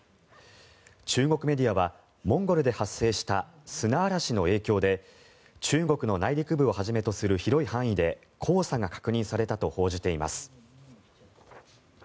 中国メディアはモンゴルで発生した砂嵐の影響で中国の内陸部をはじめとする広い範囲で黄砂が確認されたと報じています。